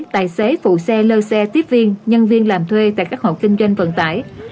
tài xế phụ xe lơ xe tiếp viên nhân viên làm thuê tại các hộ kinh doanh vận tải